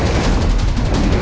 kedai yang menangis